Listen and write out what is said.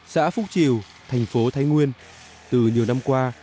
xã phúc triều thành phố thái nguyên từ nhiều năm qua